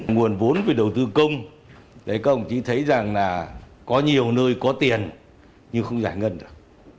nguồn vốn về đầu tư công đấy không chỉ thấy rằng là có nhiều nơi có tiền nhưng không giải ngân được